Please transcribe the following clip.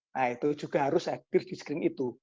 nah itu juga harus aktif di screen itu